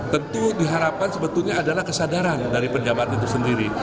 tentu diharapkan sebetulnya adalah kesadaran dari penjabat itu sendiri